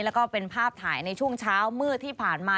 แล้วก็เป็นภาพถ่ายในช่วงเช้ามืดที่ผ่านมา